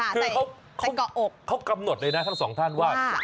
คือเขากำหนดเลยนะทั้งสองท่านว่า